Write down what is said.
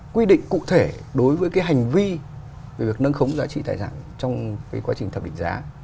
quy định cụ thể đối với cái hành vi về việc nâng khống giá trị tài sản trong cái quá trình thẩm định giá